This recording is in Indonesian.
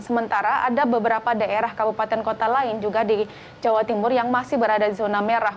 sementara ada beberapa daerah kabupaten kota lain juga di jawa timur yang masih berada zona merah